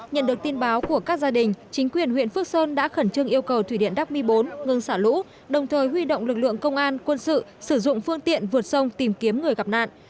nhận được tin báo của các gia đình chính quyền huyện phước sơn đã khẩn trương yêu cầu thủy điện đắc mi bốn ngưng xả lũ đồng thời huy động lực lượng công an quân sự sử dụng phương tiện vượt sông tìm kiếm người gặp nạn